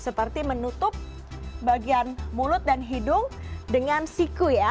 seperti menutup bagian mulut dan hidung dengan siku ya